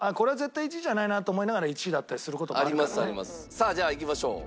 さあじゃあいきましょう。